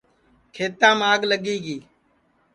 کھیتام آگ لگی گی